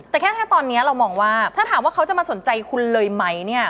แต่แค่ตอนนี้เรามองว่าถ้าถามว่าเขาจะมาสนใจคุณเลยไหมเนี่ย